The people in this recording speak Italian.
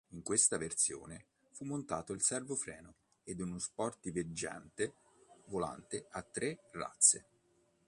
In questa versione fu montato il servofreno ed uno sportiveggiante volante a tre razze.